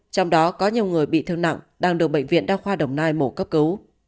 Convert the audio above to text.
trong đó có nhiều người bị thương nặng đang được bệnh viện đa khoa đồng nai mổ cấp cứu